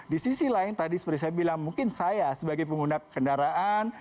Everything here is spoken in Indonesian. di sisi lain tadi seperti saya bilang mungkin saya sebagai pengguna kendaraan